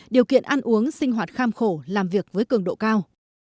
điều kiện ăn uống sinh hoạt kham khổ làm việc với cường độ cao